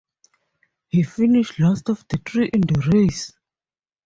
He finished last of the three in the race.